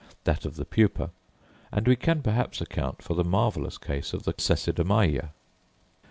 that of the pupa—and we can perhaps account for the marvellous case of the Cecidomyia.